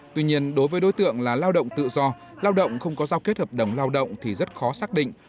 tuy nhiên đối với đối tượng là lao động tự do lao động không có giao kết hợp đồng lao động thì rất khó xác định